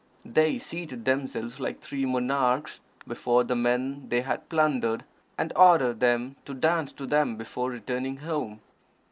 They seated themselves like three monarchs before the men they had plundered, and ordered them to dance to them before returning home.